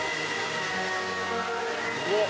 うわっ！